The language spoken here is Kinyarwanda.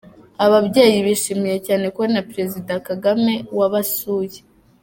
Ababyeyi bishimiye cyane kubona Perezida Kagame wabasuye.